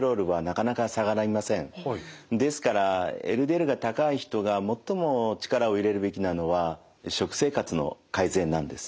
ですからＬＤＬが高い人が最も力を入れるべきなのは食生活の改善なんです。